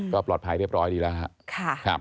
ก็ปลอดภัยเรียบร้อยดีแล้วครับ